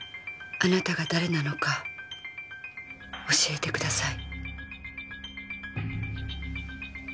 あなたが誰なのか教えてください。